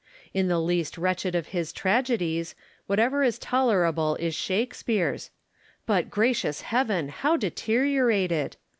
In the least wretched of his tragedies, what ever is tolerable is Shakespeare's; but, gracious Heaven ! how deteriorated